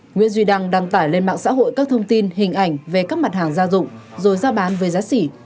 nguyễn duy đăng đăng tải lên mạng xã hội các thông tin hình ảnh về các mặt hàng gia dụng rồi giao bán với giá xỉ